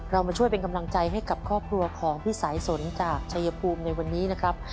มาช่วยเป็นกำลังใจให้กับครอบครัวของพี่สายสนจากชายภูมิในวันนี้นะครับ